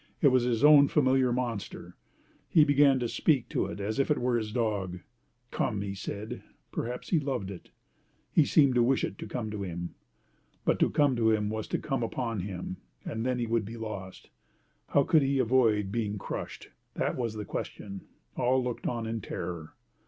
It was his own familiar monster. He began to speak to it as if it were his dog. "Come!" he said. Perhaps he loved it. He seemed to wish it to come to him. But to come to him was to come upon him. And then he would be lost. How could he avoid being crushed! That was the question. All looked on in terror.